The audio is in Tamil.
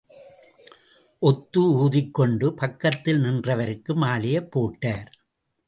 ஒத்து ஊதிக்கொண்டு பக்கத்தில் நின்றவருக்கு மாலையைப் போட்டார்.